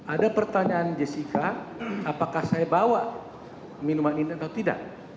ada pertanyaan jessica apakah saya bawa minuman ini atau tidak